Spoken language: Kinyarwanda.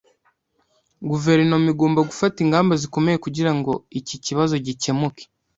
Guverinoma igomba gufata ingamba zikomeye kugirango iki kibazo gikemuke